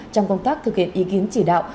trong công tác thực hiện ý kiến chỉ đạo